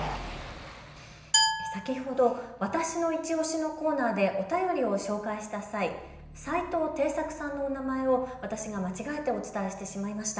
先ほどわたしのいちオシのコーナーでお便りを紹介した際、齋藤貞作さんを私が間違えてお伝えしてしまいました。